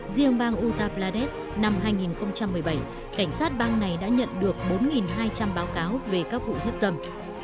riêng bang utta pladesh năm hai nghìn một mươi bảy cảnh sát bang này đã nhận được bốn hai trăm linh báo cáo về các vụ hiếp dâm